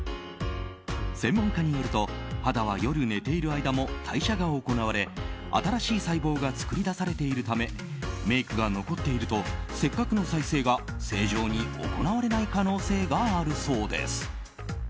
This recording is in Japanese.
専門家によると肌は夜寝ている間も代謝が行われ、新しい細胞が作り出されているためメイクが残っているとせっかくの再生が正常に行われない可能性があるそうです。